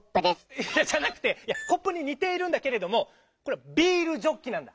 いやじゃなくてコップににているんだけれどもこれは「ビールジョッキ」なんだ。